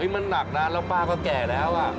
มันหนักนะแล้วป้าก็แก่แล้ว